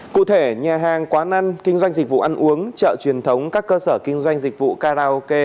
cụ thể nhà hàng quán ăn kinh doanh dịch vụ ăn uống chợ truyền thống các cơ sở kinh doanh dịch vụ karaoke